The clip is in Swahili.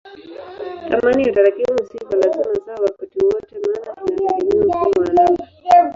Thamani ya tarakimu si kwa lazima sawa wakati wowote maana inategemea mfumo wa namba.